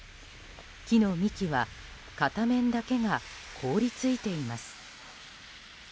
木の幹は片面だけが凍り付いています。